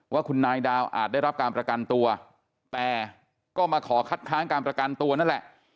ว่าคุณนายดาวอาจได้รับการประกันตัวแต่ก็มาขอคัดค้างการประกันตัวนั่นแหละ